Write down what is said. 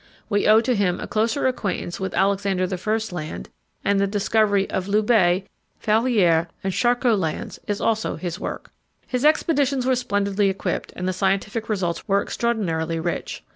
We owe to him a closer acquaintance with Alexander I. Land, and the discovery of Loubet, Fallières and Charcot Lands is also his work. His expeditions were splendidly equipped, and the scientific results were extraordinarily rich.